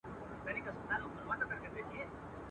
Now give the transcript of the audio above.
چي ډوب تللی وو د ژوند په اندېښنو کي.